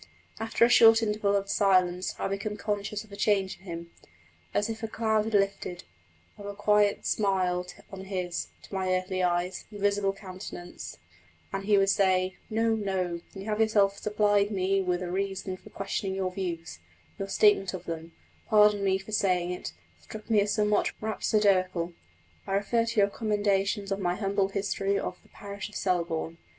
After a short interval of silence I would become conscious of a change in him, as if a cloud had lifted of a quiet smile on his, to my earthly eyes, invisible countenance, and he would add: "No, no; you have yourself supplied me with a reason for questioning your views; your statement of them pardon me for saying it struck me as somewhat rhapsodical. I refer to your commendations of my humble history of the Parish of Selborne.